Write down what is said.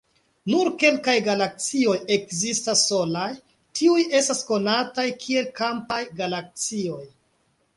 Nur kelkaj galaksioj ekzistas solaj; tiuj estas konataj kiel "kampaj galaksioj".